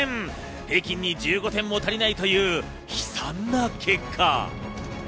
平均に１５点も足りないという悲惨な結果。